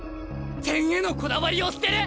点へのこだわりを捨てる！？